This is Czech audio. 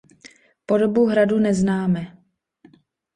Podobu hradu neznáme.